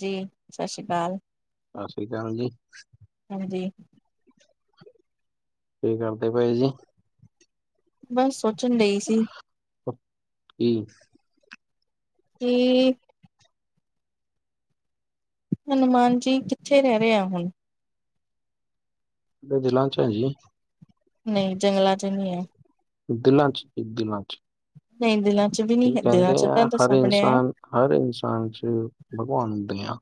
ਜੀ ਸਤਿ ਸ੍ਰੀ ਅਕਾਲ ਸਤਿ ਸ੍ਰੀ ਅਕਾਲ ਜੀ। ਹਾਂਜੀ ਕੀ ਕਰਦੇ ਪਏ ਜੀ? ਬਸ ਸੋਚਣ ਡਹੀ ਸੀ। ਕੀ? ਕੀ ਹਨੂੰਮਾਨ ਜੀ ਕਿੱਥੇ ਰਹਿ ਰਹੇ ਆ ਹੁਣ? ਦਿਲਾਂ ਚ ਏ ਜੀ। ਨਈ ਜੰਗਲਾਂ ਚ ਨਹੀਂ ਐ। ਦਿਲਾਂ ਚ, ਦਿਲਾਂ ਚ। ਨਈ ਦਿਲਾਂ ਚ ਵੀ ਨਹੀਂ ਹੈ ਕਹਿੰਦੇ ਦਿਲਾਂ ਚ ਤਾਂ ਆ, ਹਰ ਦੱਸਾਂ ਬਣਿਆ ਇਨਸਾਨ ਹਰ ਇਨਸਾਨ ਚ ਭਗਵਾਨ ਹੁੰਦੇ ਆ।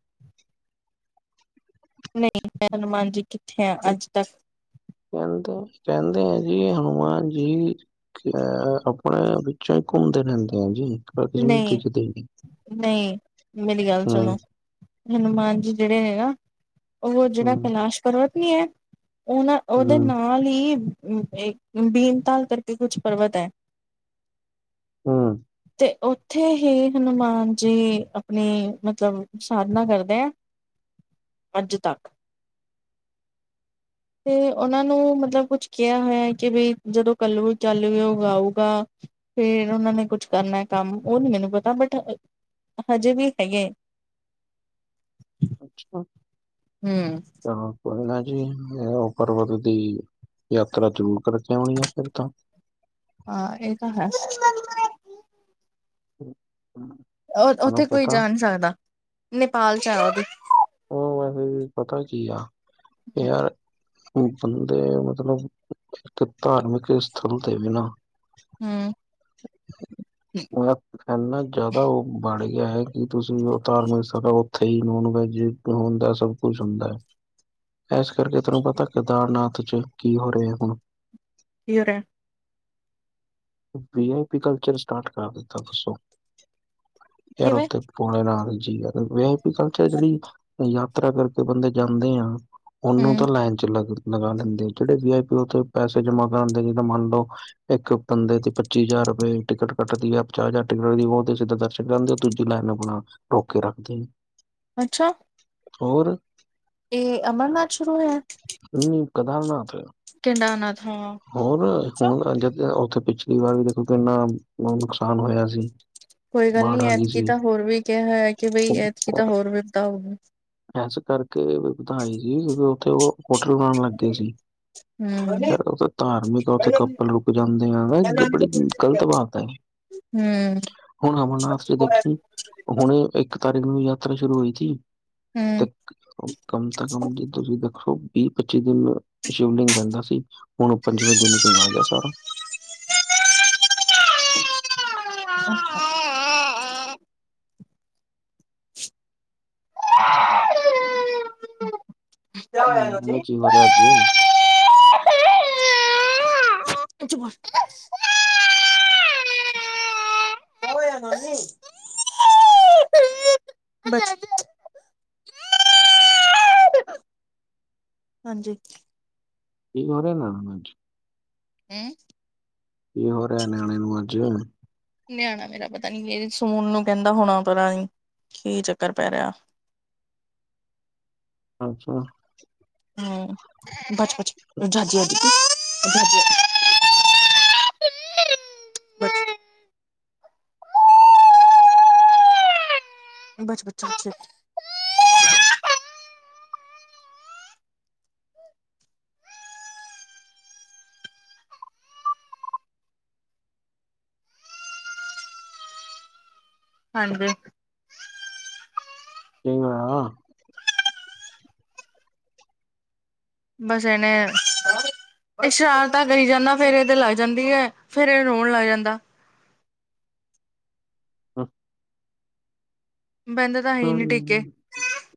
ਨਈ, ਮੈਂ ਹਨੂੰਮਾਨ ਜੀ ਕਿੱਥੇ ਆ ਅੱਜ ਦਸ ਕਹਿੰਦੇ ਕਹਿੰਦੇ ਹੈ ਜੀ ਹਨੂੰਮਾਨ ਜੀ ਕਿ ਆਪਣੇ ਵਿੱਚੋਂ ਹੀ ਘੁੰਮਦੇ ਰਹਿੰਦੇ ਆ ਜੀ ਪਰ ਕਿਸੇ ਨੂੰ ਦਿਖਦੇ ਨੀ। ਨੲਈ ਮੇਰੀ ਗੱਲ ਹਮ ਸੁਣੋ। ਹਨੂੰਮਾਨ ਜੀ ਜੇੜੇ ਨੇ ਨਾ ਉਹੋ ਜਿਹੜਾ ਹਮ ਕੈਲਾਸ਼ ਪਰਵਤ ਨੀ ਐ ਉਨਾ ਉਹਦੇ ਹਮ ਨਾਲ ਈ ਬੀਨ ਤਾਲ ਕਰਕੇ ਕੁੱਛ ਪਰਵਤ ਹੈ। ਹੂੰ। ਤੇ ਉੱਥੇ ਹੀ ਹਨੂੰਮਾਨ ਜੀ ਆਪਣੀ ਮਤਲਬ ਸਾਧਨਾ ਕਰਦੇ ਆ ਅੱਜ ਤੱਕ ਤੇ ਓਨਾਂ ਨੂੰ ਮਤਲਬ ਕੁਛ ਕਿਆ ਹੋਇਆ ਕਿ ਬਈ ਜਦੋਂ ਕੱਲੂ ਚੱਲੳਓ ਆਉਗਾ। ਫੇਰ ਓਨਾਂ ਨੇ ਕੁੱਛ ਕਰਨਾ ਕੰਮ ਉਹ ਨੀ ਮੈਨੂੰ ਪਤਾ ਬਟ ਹਜੇ ਵੀ ਹੈਗੇ। ਅੱਛਾ। ਹੂੰ। ਚਲੋ ਕੋਈ ਨਾ ਜੀ ਉਹ ਪਰਬਤ ਦੀ ਯਾਤਰਾ ਜ਼ਰੂਰ ਕਰਕੇ ਆਉਣੀ ਆ ਫਿਰ ਤੋਂ। ਹਾਂ ਏ ਤਾਂ ਹੈ। ਹੂੰ। ਆ ਓਥੇ ਕੋਈ ਜਾ ਨੀ ਸਕਦਾ, ਨੇਪਾਲ ਚ ਆ ਓਦੀ ਓ ਵੈਸੇ ਵੀ ਪਤਾ ਕੀ ਆ ਯਾਰ ਬੰਦੇ ਮਤਲਬ ਇੱਕ ਧਾਰਮਿਕ ਸਥਲ ਤੇ ਵੀ ਨਾ ਹੂੰ ਏਨਾ ਜਿਆਦਾ ਉਹ ਬੜ ਗਿਆ ਏ ਕੀ ਤੁਸੀਂ ਜੋ ਧਾਰਮਿਕ ਸਦਾ ਉੱਥੇ ਈ ਨੋਨ ਵੈਜ ਹੁੰਦਾ ਸਭ ਕੁਛ ਹੁੰਦਾ। ਏਸ ਕਰਕੇ ਤੈਨੂੰ ਪਤਾ ਕੇਦਾਰਨਾਥ ਚ ਕੀ ਹੋ ਰਹੇ ਐ ਹੁਣ [inaudible] ਵੀ ਆਈ ਪੀ ਕਲਚਰ ਸਟਾਰਟ ਕਰ ਦਿੱਤਾ ਦੱਸੋ ਯਾਰ ਕਿਵੇਂ ਉਥੇ ਬੋਲੇਨਾਥ ਜੀ ਆ ਵੀ ਆ ਈ ਕਲਚਰ ਜੇੜੀ ਯਾਤਰਾ ਕਰਕੇ ਬੰਦੇ ਜਾਂਦੇ ਆ। ਓਨੂੰ ਹੂੰ ਤਾਂ ਲੈਣ ਚੋਂ ਲੱਗ ਲਗਾ ਲੈਂਦੇ ਆ ਜਿਹੜੇ ਵੀ ਆਈ ਪੀ ਪੈਸੇ ਜਮਾ ਕਰਨ ਦੇ ਜਿੱਦਾ ਮੰਨ ਲਓ ਇੱਕ ਬੰਦੇ ਤੇ ਪੱਚੀ ਹਜ਼ਾਰ ਰੁਪਏ ਟਿਕਟ ਕੱਟਦੀ ਐ ਪੰੰਜਾਹ ਹਜ਼ਾਰ ਟਿਕਟ ਓ ਤੇ ਸਿੱਧ ਦਰਸ਼ਕ ਜਾਂਦੇ ਉਹ ਦੂਜੀ ਲਾਈਨ ਆਪਣਾ ਰੋਕ ਕੇ ਰੱਖਦੇ ਐ ਅੱਛਾ। ਹੋਰ ਏ ਅਮਰਨਾਥ ਸ਼ੁਰੂ ਹੋਇਆ ਨਹੀਂ ਕੇਦਾਰਨਾਥ ਕੇਦਾਰਨਾਥ ਹਾਂ। ਹੋਰ ਅੱਛਾ ਹੁਣ ਜ ਓਥੇ ਪਿਛਲੀ ਵਾਰ ਵੀ ਦੇਖੋ ਕਿੰਨਾ ਨੁਕਸਾਨ ਹੋਇਆ ਸੀ। ਕੋਈ ਗੱਲ ਨੀ ਬਾੜ ਆ ਗਈ ਐਤਕੀ ਸੀ ਤਾ ਹੋਰ ਵੀ ਕਿਆ ਹੋਇਆ ਕਿ ਬਈ ਐਤਕੀ ਦਾ ਹੋਰ ਵੀ ਪਤਾ ਹੋਗਾ ਇਸ ਕਰਕੇ ਵਧਾਈ ਸੀ ਕਿਉਂਕਿ ਉੱਥੇ ਓ ਹੋਟਲ ਬਣਾਣ ਲੱਗੇ ਸੀ। ਹੂੰ ਯਾਰ ਓ ਧਾਰਮਿਕ ਆ ਉੱਥੇ ਕੱਪਲ ਰੁਕ ਜਾਂਦੇ ਆ ਬੜੀ ਗਲਤ ਬਾਤ ਐ ਹੂੰ ਹੁਣ ਅਮਰਨਾਥ ਚ ਦੇਖੀ ਹੂੰ ਹੁਣੇ ਇੱਕ ਤਾਰੀਕ ਨੂੰ ਯਾਤਰਾ ਸ਼ੁਰੂ ਹੋਈ ਥੀ ਹੂੰ ਕਮ ਤਾਂ ਕਮ ਜੀ ਤੁਸੀਂ ਦੇਖੋ ਵੀਹ ਪੱਚੀ ਦਿਨ ਸ਼ਿਵਲਿੰਗ ਰਹਿੰਦਾ ਸੀ। ਹੁਣ ਪੰਜਵੇਂ ਦਿਨ ਈ ਪਿਗਲ ਗਿਆ ਸਾਰਾ। [inaudible] [inaudible] ਕਿਆ ਹੋਇਆ ਇਹਨੂੰ ਜੀ? [inaudible] ਕਿਆ [inaudible] [inaudible] [unintelligible] ਹਾਂਜੀ। [unintelligible] ਹੂੰ ਕੀ ਹੋ ਰਿਆ ਨਿਆਣੇ ਨੂੰ ਅੱਜ ਨਿਆਣਾ ਮੇਰਾ ਪਤਾ ਨੀ, ਇਹ ਸੋਨ ਨੂੰ ਕਹਿੰਦਾ ਹੋਣਾ ਪਤਾ ਨ ਕੀ ਚੱਕਰ ਪੈ ਰਿਹਾ। ਅੱਛਾ। ਹਮ, ਬਚਪਚਜੀ ਹਜੀ ਬਚਪਚਨ 'ਚ [unintelligible] [unintelligible] ਹਣਦੇ [unintelligible] [unintelligible] ਤੇ [unintelligible] [unintelligible] ਬਸ ਇਹਨੇ ਇਹ ਸ਼ਰਾਰਤਾ ਕਰੀ ਜਾਂਦਾ, ਫੇਰ ਇਹਦੇ ਲੱਗ ਜਾਂਦੀ ਹੈ ਫੇਰ ਇਹ ਰੋਣ ਲੱਗ ਜਾਂਦਾ। [unintelligible] [unintelligible] ਟਿੱਕੇ [unintelligible] [unintelligible]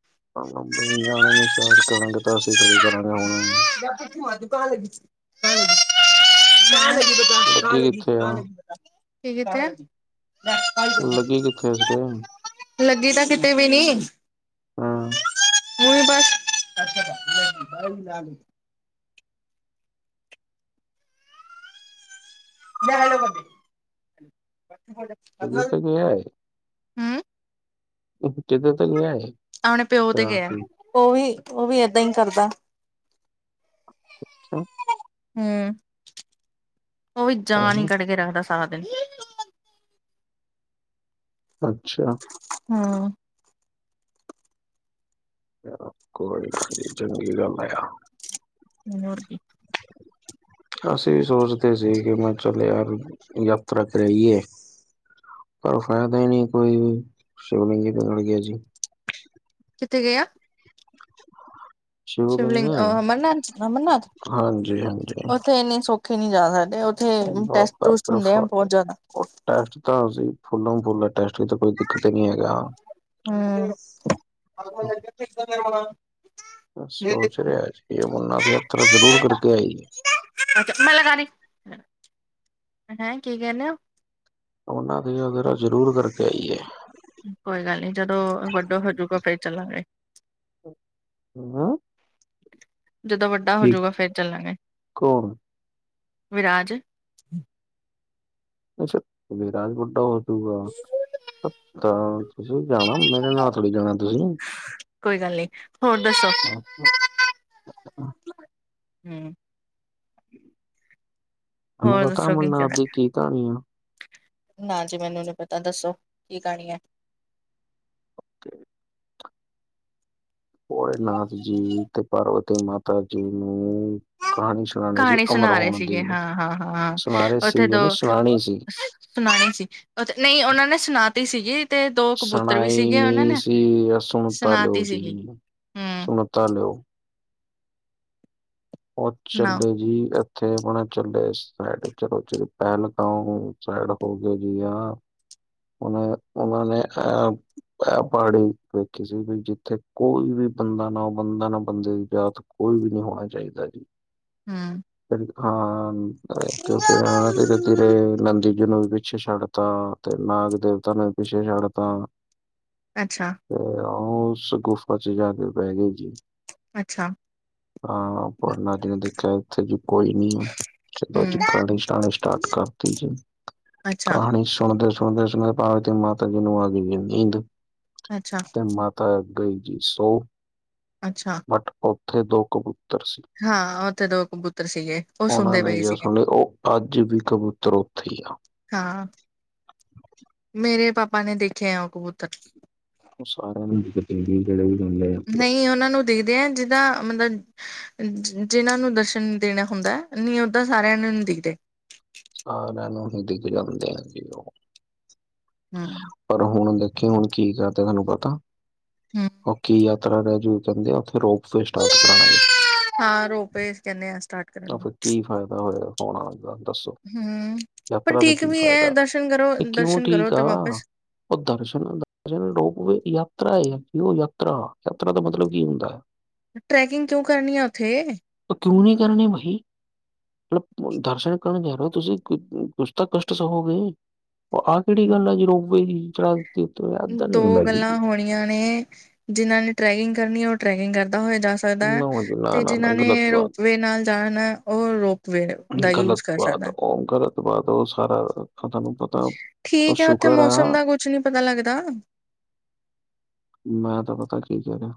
ਨਿਆਣੇ ਨ ਸ਼ ਕਰਾਂਗੇ ਤਾਂ ਅਸੀਂ ਖੜੀ ਕਰਾਂਗੇ ਹੁਣ [unintelligible] [unintelligible] [unintelligible] ਲੱਗੀ ਕਿੱਥੇ ਆ [unintelligible] [unintelligible] ਲੱਗੀ ਕਿੱਥੇ ਇਸ ਦੇ? ਲੱਗੀ ਤਾਂ ਕਿਤੇ ਵੀ ਨੀ। ਹਾਂ। [unintelligible] [unintelligible] [unintelligible] [unintelligible] ਹੂੰ [unintelligible] [unintelligible] ਆਪਣੇ ਪਿਉ ਤੇ ਰਾਤ ਗਿਆ ਨੂੰ ਉਹ ਵੀ, ਉਹ ਵੀ ਏਦਾਂ ਹੀ ਕਰਦਾ। ਅੱਛਾ [unintelligible] [unintelligible] ਹਮ, ਉਹ ਵੀ ਜਾਨ ਹੀ ਹਾਂ, ਕੱਢ ਕੇ ਰੱਖਦਾ ਸਾਰਾ ਦਿਨ। ਅੱਛਾ। ਹੁੰ। ਚ ਕੋਈ ਗੱਲ ਨੀ, ਚੰਗੀ ਗੱਲ ਆ। ਮਨ ਰ ਕੀ [unintelligible] [unintelligible] ਅਸੀਂ ਵੀ ਸੋਚਦੇ ਸੀ ਕਿ ਮੈਂ ਚਲ ਯਾਰ, ਯਾਤਰਾ ਕਰਾਈਏ। ਪਰ ਫਾਇਦਾ ਹੀ ਨਹੀਂ ਕੋਈ ਵੀ, ਸ਼ਿਵਲਿੰਗੀ ਤੇ ਗੜ ਗਿਆ ਜੀ ਕਿੱਥੇ ਗਿਆ? ਸ਼ਿਵਲਿੰਗ, ਅਮਰਨਾਥ-ਅਮਰਨਾਥ ਹਾਂਜੀ ਹਾਂਜੀ ਉੱਥੇ ਇੰਨੀ ਸੌਖੀ ਨਹੀਂ ਜਾ ਸਕਦੇ। ਉਥੇ ਟੈਸਟ, ਬਾਬਾ ਟੂਸਟ ਹੁੰਦੇ ਆ ਪ੍ਰਫਾ ਬਹੁਤ ਜਿਆਦਾ। ਉਹ ਟੈਸਟ, ਤਾਂ ਅਸੀ ਫੁੱਲੋ ਫੁੱਲ ਟੈਸਟ ਤਾਂ ਕੋਈ ਦਿੱਕਤ ਹੀ ਨਹੀਂ ਹੈਗਾ। ਹਮ [unintelligible] [unintelligible] ਸੋਚ ਰਿਹਾ ਜੀ, ਅਮਰਨਾਥ ਯਾਤਰਾ ਜ਼ਰੂਰ ਕਰਕੇ ਆਈਏ। [unintelligible] ਮਲਾਕਾਰੀ ਹੈਂ ਕੀ ਕਹਿਣੇ ਆ ਉਹਨਾਂ ਦੇ ਉਹਧਰਾ ਜ਼ਰੂਰ ਕਰਕੇ ਆਈਏ। ਕੋਈ ਗੱਲ ਨੀ, ਜਦੋਂ ਵੱਡੋ ਹੋਜੂਗਾ ਫੇਰ ਚੱਲਾਂਗੇ। ਹ। ਜਦੋਂ ਵੱਡਾ ਹੋਜੂਗਾ ਫੇਰ ਚੱਲਾਂਗੇ। ਕੌਣ ਵਿਰਾਜ। ਅੱਛਾ, ਵਿਰਾਜ ਵਡਾ ਤੁਸੀਂ ਜਾਣਾ, ਮੇਰੇ ਨਾਲ ਥੋੜੀ ਜਾਣਾ ਤੁਸੀਂ। ਕੋਈ ਗੱਲ ਨੀ, ਹੋਰ ਦੱਸੋ? ਹਾਂ। [unintelligible] ਹੂੰ ਹੋਰ ਪਤਾ ਦੱਸੋ? ਕੀ ਚ ਅਮਰਨਾਥ ਦੀ ਕੀ ਕਹਾਣੀ ਆ ਨਾ ਜੀ, ਮੈਨੂੰ ਨੀ ਪਤਾ ਦੱਸੋ ਕੀ ਕਹਾਣੀ ਹੈ? ਓਕੇ [unintelligible] ਭੋਲੇ ਨਾਥ ਜੀ ਤੇ ਪਾਰਵਤੀ ਮਾਤਾ ਜੀ ਨੂੰ ਕਹਾਣੀ ਸੁਣਾਉਣੀ ਸੀ ਕਹਾਣੀ ਅਮਰ ਸੁਣਾ ਰਹੇ ਹੋਣ ਸੀਗੇ, ਦੀ ਹਾਂ-ਹਾਂ-ਹਾਂ-ਹਾਂ ਸੁਣਾ ਰਹੇ ਉੱਥੇ ਸੀਗੇ ਦੋ ਨਹੀਂ ਸੁਣਾਣੀ ਸੀ ਸੁਣਾਈ ਸੀ ਨਹੀਂ, ਉਹਨਾਂ ਨੇ ਸੁਣਾਤੀ ਸੀਗੀ। ਤੇ ਦੋ ਕਬੂਤਰ ਵੀ ਸ਼ਣਾਾਈ ਸੀਗੇ ਉਹਨਾਂ ਨਹੀ ਨੇ ਸੀ, ਅ ਸੁਣਤਾ ਲਓ ਸੁਣਾਤੀ ਸੀਗੀ ਜੀ, ਹੂੰ ਸੁਣਤਾ ਲਓ। ਉਹ ਸੁਣਾਓ ਚਲੋ ਜੀ ਇਥੇ ਆਪਣਾ ਚੱਲੇ ਇਸ ਸਾਈਡ ਚਲੋ ਪਹਿਲਗ ਸਾਈਡ ਹੋ ਗਈ ਆ। ਉਹ, ਉਹਨਾਂ ਨੇ ਕਿਹਾ ਇਹ ਪਹਾੜੀ ਵੇਖੀ ਸੀ ਵੀ ਜਿੱਥੇ ਕੋਈ ਵੀ ਬੰਦਾ ਨਾ ਬੰਦਾ ਨਾ ਬੰਦੇ ਦੀ ਜਾਤ ਕੋਈ ਵੀ ਨਹੀਂ ਹੋਣਾ ਚਾਹੀਦਾ ਜੀ। ਹੂ ਫਿਰ ਹਾਂ। ਫੇਰ ਨਾ ਤੇਰੇ, ਤੇਰੇ ਨੰਦੀ ਜੀ ਨੂੰ ਵਿੱਚ ਪਿੱਛੇ ਛੱਡ ਤਾ, ਤੇ ਨਾਗ ਦੇਵਤਾ ਨੂੰ ਪਿੱਛੇ ਛੱਡਤਾ। ਅੱਛਾ। ਤੇ ਉਹ ਉਸ ਗੁਫਾ ਚ' ਜਾ ਕੇ ਬਹਿ ਗਏ ਜੀ। ਅੱਛਾ ਹਾਂ ਉਹਨਾ ਨੇ ਦੇਖਿਆ, ਇੱਥੇ ਜ ਕੋਈ ਨੀ ਆ। ਚਲੋ ਜੀ ਹੂੰ ਕਾਨੀ ਸ਼ਣਣੀ ਸਟਾਰਟ ਕਰਤੀ ਜੀ। ਅੱਛਾ‌। ਸੁਣਦੇ-ਸੁਣਦੇ-ਸੁਣਦੇ ਭਾਵੇਂ ਤੇ ਮਾਤਾ ਜੀ ਨੂੰ ਆ ਗਈ ਨੀਦ। ਅੱਛਾ ਤੇ ਮਾ ਤਾਂ ਅਐ ਗਈ ਜੀ ਸੌ। ਅੱਛਾ। ਬਟ, ਉੱਥੇ ਦੋ ਕਬੂਤਰ ਸੀ। ਹਾਂ, ਉਹਥੇ ਦੋ ਕਬੂਤਰ ਸੀਗੇ। ਉਹ ਉਹਨਾਂ ਸੁਣਦੇ ਨੇ ਪਏ ਜੇ ਸੀਗੇ ਸੁਣਣੇ, ਉਹ ਅੱਜ ਵੀ ਕਬੂਤਰ ਉੱਥੇ ਆ। ਹਾਂ। ਮੇਰੇ ਪਾਪਾ ਨੇ ਦੇਖਿਆ ਹੈ ਉਹ ਕਬ ਉਹ ਸਾਰਾ [unintelligible] ਨੂੰ ਗੜੇ ਆਪਾ ਨਹੀਂ ਉਹਨਾਂ ਨੂੰ ਦੇਖਦੇ ਹਾਂ, ਜਿੱਦਾਂ ਮਤਲਬ ਜਿਹਨਾਂ ਨੂੰ ਦਰਸ਼ਨ ਦੇਣਾ ਹੁੰਦਾ, ਨਹੀਂ ਓਦਾਂ ਸਾਰਿਆਂ ਨੂੰ ਨਹੀਂ ਦਿਖਦੇ। ਸਾਰਿਆਂ ਨੂੰ ਹੀ ਦਿਖ ਜਾਂਦੇ ਹੈਗੇ ਉਹ। ਹੂ। ਪਰ ਹੁਣ ਦੇਖਿ ਹੁਣ ਕੀ ਕਰਦੇ ਤੁਹਾਨੂੰ ਪਤਾ, ਹੂੰ ਉਹ ਕੀ ਯਾਤਰਾ ਰਹਿ ਜੂ। ਜਾਂਦੇ ਆ ਉੱਥੇ ਰੋਪਵੇ ਸਟਾਰਟ ਕਰਣਾ ਜੀ। ਹਾਂ, ਰੋਪੇ ਕਹਿੰਦੇ ਹ ਆ ਸਟਾਰਟ। ਕਰਨ ਨੂੰ। ਆਪ ਫਿਰ ਕੀ ਫਾਇਦਾ ਹੋਇਆ ਔਣਾ ਦਾ ਦੱਸੋ। ਹੂੰ, ਪਰ ਯਾਤਰਾ ਦਾ ਠੀਕ ਕੀ ਵੀ ਐ ਫਾਇਦਾ। ਦਰਸ਼ਨ ਕਰੋ, ਇਹ ਕਿਉਂ ਦਰਸ਼ਨ ਕਰੋ ਠੀਕ ਆ? ਤੇ ਵਾਪਿਸ ਉਹ ਦਰਸ਼ਨ- ਦਸ਼ਨ ਰੋਕਵੇ, ਯਾਤਰਾ ਹੈ ਆ ਕਿ ਉਹ ਯਾਤਰਾ, ਯਾਤਰਾ ਦਾ ਮਤਲਬ ਕੀ ਹੁੰਦਾ। ਹੈ ਟਰੈਕਿੰਗ ਕਿਉਂ ਕਰਨੀ ਆ ਉੱਥੇ? ਆ ਤੂੰ ਨਹੀਂ ਕਰਨੀ ਬਾਈ। ਮਤਲ ਦਰਸ਼ਨ ਕਰਨ ਜਾਣਾ, ਤੁਸੀਂ ਕੁਛ ਤਾਂ ਕਸ਼ਟ ਸਹੋਗੇ। ਆਹ ਕਿਹੜੀ ਗੱਲ ਆ ਜ ਰੋ ਚੜ- ਉਤਰ ਯਾਤਰਾ ਨੀ ਹੁੰਦੀ। ਨਿੱਯਣੇ ਜਿਨ੍ਹਾਂ ਨੇ ਟਰੈਕਿੰਗ ਕਰਨੀ ਹੈ, ਉਹ ਟਰੈਕਿੰਗ ਕਰਦਾ ਹੋਆ ਦ ਸਕਦਾ। ਨੋ ਜੀ ਨਾ ਤੇ ਨਾ ਨਾ ਜਿਨਾਂ ਗ਼ਲਤ ਨੇ ਬਾਤ ਰੋਪਵੇ ਨਾਲ ਜਾਣਾ ਉਹ ਰੋਪ ਗ਼ਲਤ ਬਾਤ, ਉਹ ਗ਼ਲਤ ਬਾਤ ਉਹ ਸਾਰਾ ਤੁਹਾਨੂੰ ਪਤਾ ਤਾਂ ਠੀਕ ਹੈ ਉੱਥੇ ਸ਼ੁਕਰ ਮੌਸਮ ਆ ਦਾ ਕੁੱਝ ਨੀ ਪਤਾ ਲੱਗਦਾ। ਮੈਂ ਤਾਂ ਪਤਾ ਕੀ ਕਰਹਿ ਰਿਹਾ।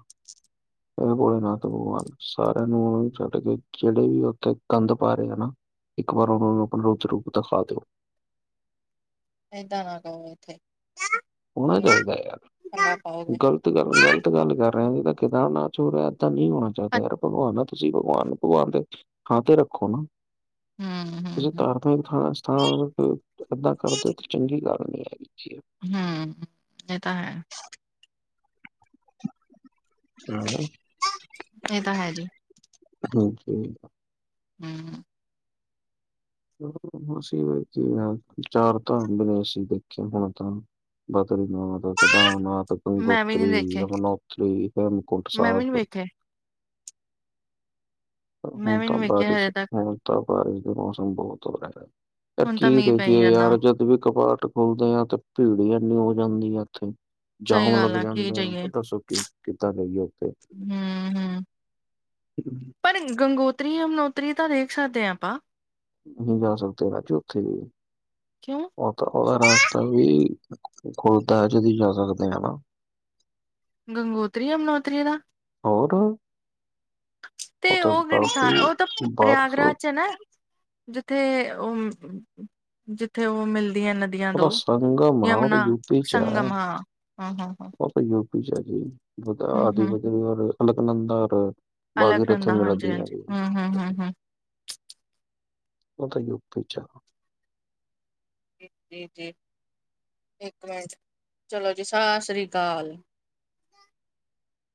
ਇਹ ਭੋਲੇ ਨਾਥ ਭਗਵਾਨ ਸਾਰਿਆਂ ਨੂੰ ਉਹੂੰ ਛੱਡ ਕੇ ਜਿਹੜੇ ਵੀ ਉੱਥੇ ਕੰਧ ਪਾਰੇ ਹਨਾ। ਇੱਕ ਵਾਰ ਉਹਨੂੰ ਆਪ ਰੁ ਰੂਪ ਦਿਖਾ ਦਿਓ। ਏਦਾਂ ਨਾ ਕਹੋ ਇੱਥੇ। ਹੋਣਾ ਇਹ ਚਾਹੀਦਾ। ਪੰਗਾ ਪਾਓਗੇ। ਗੱਲਤ ਗੱਲ ਗਲਤ ਗੱਲ ਕਰ ਰਿਹੇ ਜਿੱਦਾਂ ਕਿਦਾਂ ਨਾਚ ਹੋ ਰਿਹਾ ਏਦਾਂ ਨਹੀਂ ਹੋਣਾ ਚਾਹੀਦਾ ਯਾਰ ਭਗਵਾਨ ਨਾ ਤੁਸੀਂ ਭਗਵਾਨ ਭਗਵਾਨ ਦੇ ਹਾਂ ਤੇ ਰੱਖੋ ਨਾ, ਤੁਸੀਂ ਹੂੰ-ਹੂੰ-ਹੂੰ, ਤਾਰ ਉਸ ਖਾਸ ਥਾਂ 'ਤੇ ਐਦਾਂ ਕਰਨਾ ਚੰਗੀ ਗੱਲ ਨਹੀਂ ਹੈ। ਹੂ ਇਹ ਤਾਂ ਹੈ ਹਮ [inaudible] ਇਹ ਤਾਂ ਹੈਜੀ। ਹਾਂਜੀ। ਹੂੰ ਅਸੀ ਵਿੱਚ ਈ ਨਾ, ਚਾਰ ਧਾਮ ਵੀ ਦੇਖ ਲਏ, ਹੁਣ ਤਾਂ। ਬਦਰੀਨਾਥ, ਕੇਦਾਰਨਾਥ, ਮੈਂ ਵੀ ਗੰਗੋਤਰੀ, ਨੀ ਦੇਖੇ ਯਮੁਨੋਤਰੀ ਅਤੇ ਹੇਮਕੁੰਟ ਮੈਂ ਵੀ ਨੀ ਸਾਹਿਬ। ਵੇਖੇ, ਮੈਂ ਹੁਣ ਵੀ ਨੀ ਤਾਂ ਵੇਖੇ ਬਾਰੇਸ਼ ਹਜੇ ਤੱਕ, ਹੁ ਤਾਂ ਬਾਰਿਸ਼ ਦੇ ਮੌਸਮ ਬਹੁਤ ਹੋ ਰਿਹਾ। ਯਾਰ ਹੁਣ ਤਾਂ ਕੀ ਮੀਂਹ ਪਈ ਦੇਖੀਏ ਜਾਂਦਾ। ਯਾਰ ਜਦ ਵੀ ਕਪਾਟ ਬੋਲਦੇ ਆ ਤੇ ਭੀੜ ਹੀ ਐੰਨੀ ਹੋ ਜਾਂਦੀ ਆ ਇੱਥੇ। ਜਾਮ ਸਹੀ ਗੱਲ ਲੱਗ ਆ, ਕੀ ਜਾਂਦੇ ਜਾਈਏ, ਆ ਦੱਸੋ ਕਿ ਕਿੱਦਾਂ ਜਾਈਏ ਉੱਥੇ। ਹੂੰ-ਹੂੰ। ਨਹੀਂ ਪਰ ਗੰਗੋਤਰੀ ਯਮਨੋਤਰੀ ਤਾਂ ਦੇਖ ਸਕਦੇ ਹਾਂ ਆਪਾਂ ਨਹੀਂ ਜਾ ਸਕਦੇ ਅੱਜ ਉੱਥੇ ਵੀ ਕਿੳ? ਉਹ ਤਾਂ ਉਹਦਾ ਰਸਤਾ ਵੀ ਖੁੱਲਦਾ ਹੈ ਜ ਦੀ ਜਾ ਸਕਦੇ ਹ ਨਾ ਗੰਗੋਤਰੀ ਯਮਨੋਤਰੀ ਦਾ ਹੋਰ। ਤੇ ਉੱਥੇ ਉਹ ਕਿਹੜੀ ਬਰਫ਼ ਥਾਂ ਉਹ ਤਾਂ ਬਰਫ਼ ਪ੍ਰਯਾਗਰਾਜ ਉਹਦਾ ਨਾ ਜ ਤੇ ਉਹ ਜਿੱਥੇ ਉਹ ਮਿਲਦੀਆਂ ਨਦੀ। ਨਦੀਆਂ ਦੋ ਸੰਗਮ ਆ ਉਹ ਤਾਂ ਯਮੁਨਾ ਯੂਪੀ ਸੰਗਮ ਹਾਂ ਹਾਂ ਹਾਂ ਹਾਂ। ਯੂ ਪੀ ਜੀਧ ਆਦਿ ਵਧ ਔਰ ਅਲਕਨੰਦ ਔਰ ਬਾਕੀ ਇੱਥੇ ਅਲਕਨੰਦਾ ਮਿਲਦੀ ਹਾਂਜੀ-ਹਾਂਜੀ, ਮੇਰੀ ਹੂੰ-ਹੂੰ, ਹੂੰ-ਹੂੰ। ਉਹ ਤਾਂ ਯੁਕਤੀ ਚ ਵੀਰ ਜੀ ਇੱਕ ਮਿੰਟ ਚਲੋ ਜੀ ਸਤਿ ਸ੍ਰੀ ਅਕਾਲ